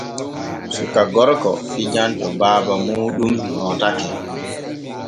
Suka gorko fijan to baaba muuɗum nootake.